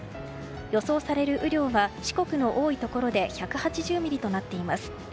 予想される雨量は四国の多いところで１８０ミリとなっています。